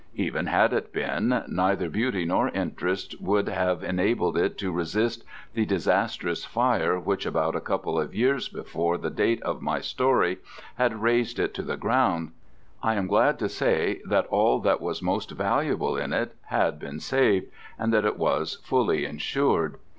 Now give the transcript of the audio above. Even had it been, neither beauty nor interest would have enabled it to resist the disastrous fire which about a couple of years before the date of my story had razed it to the ground. I am glad to say that all that was most valuable in it had been saved, and that it was fully insured.